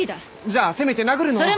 じゃあせめて殴るのは。